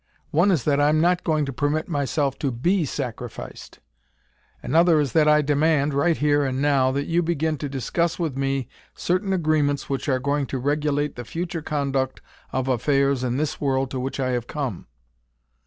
One is that I am not going to permit myself to be sacrificed. Another is that I demand, right here and now, that you begin to discuss with me certain agreements which are going to regulate the future conduct of affairs in this world to which I have come."